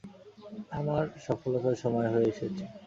আমার সফলতার সময় এসে গেছে।